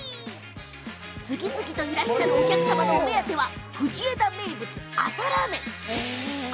続々と来るお客様のお目当ては藤枝名物、朝ラーメンです。